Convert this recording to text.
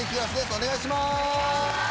お願いします。